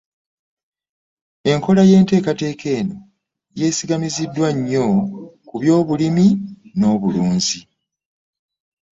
Enkola y’enteekateeka eno yeesigamiziddwa nnyo ku by’obulimi n’obulunzi.